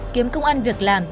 kiếm công an việc làm